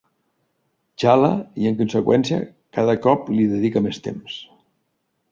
Xala, i en conseqüència, cada cop li dedica més temps.